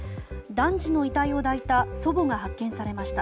男児の遺体を抱いた祖母が発見されました。